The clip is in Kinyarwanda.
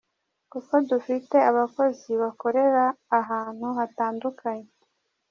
Kuko dufite abakozi bakorera ahantu hatandukanye.